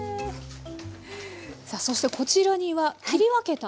さあそしてこちらには切り分けた白菜。